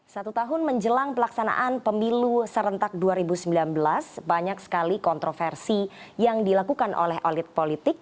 satu tahun menjelang pelaksanaan pemilu serentak dua ribu sembilan belas banyak sekali kontroversi yang dilakukan oleh elit politik